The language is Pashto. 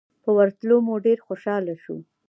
په ورتلو مو ډېر خوشاله شو.